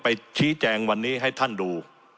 ไปชี้แจงวันนี้ให้ท่านดู